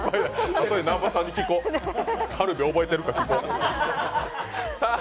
あとで南波さんに聞こう、カルビ覚えてるか。